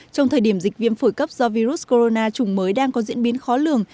trong thời điểm dịch viễn phổi cấp do virus corona chủng mới đang có diễn biến khó lường